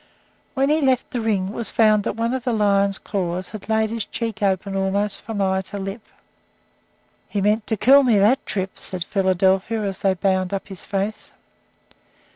When he left the ring, it was found that one of the lion's claws had laid his cheek open almost from eye to lip. "He meant to kill me that trip," said Philadelphia, as they bound up his face.